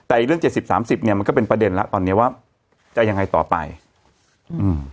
แต่เรื่อง๗๐๓๐เนี่ยมันก็เป็นประเด็นล่ะตอนนี้ว่าจะยังไงต่อไปอืม